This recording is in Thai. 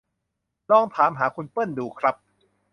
ลองถามหาคุณเปิ้ลดูครับ